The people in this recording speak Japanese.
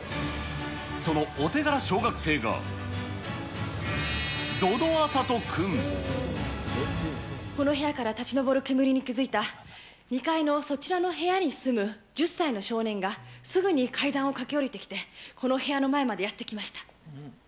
そのお手柄小学生が、この部屋から立ち上る煙に気付いた２階のそちらの部屋に住む１０歳の少年が、すぐに階段を駆け下りてきて、この部屋の前までやって来ました。